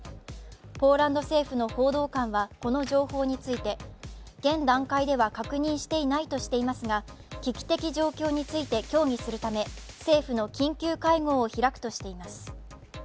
ポーランド政府の報道官はこの情報について、現段階では確認していないとしていますが危機的状況について協議するため政府の緊急会合を開くとしています。